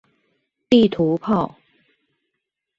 地圖炮